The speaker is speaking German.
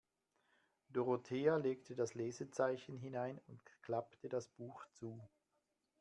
Dorothea legte das Lesezeichen hinein und klappte das Buch zu.